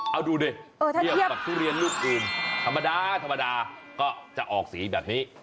เอาดูดิเทียบกับทุเรียนลูกอื่นธรรมดาธรรมดาก็จะออกสีแบบนี้